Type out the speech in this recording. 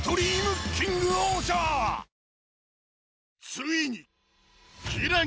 ついに